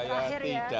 apakah benar itu pak